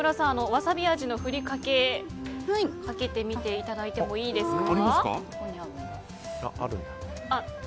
ワサビ味のふりかけかけてみていただいてもいいですか？